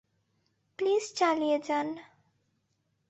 Please চালিয়ে যান।